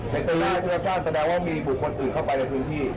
แต่ตอนนี้ท่านแสดงว่ามีบุคคลอื่นเข้าไปในพื้นที่